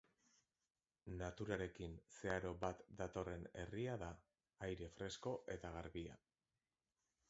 Naturarekin zeharo bat datorren herria da, aire fresko eta garbia.